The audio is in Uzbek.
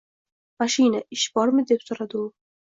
mashina, "Ish bormi?" - deb so'radi u